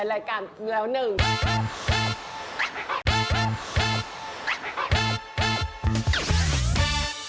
โปรดติดตามตอนต่อไป